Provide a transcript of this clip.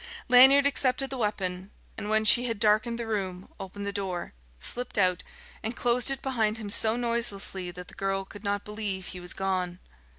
Lanyard accepted the weapon and, when she had darkened the room, opened the door, slipped out, and closed it behind him so noiselessly that the girl could not believe he was gone.